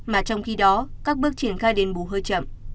mà trong khi đó các bước triển khai đền bù hơi chậm